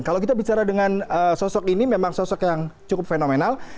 kalau kita bicara dengan sosok ini memang sosok yang cukup fenomenal